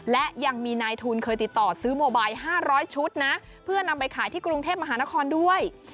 และยังมีนายทุนเคยติดต่อซื้อโมไบ๕๐๐ชุดนะเพื่อนำไปขายที่กรุงเทพมหานครด้วย